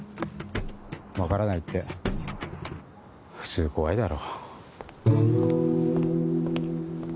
分からないって普通怖いだろ。